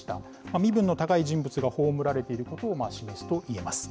身分の高い人物が葬られていることを示すといえます。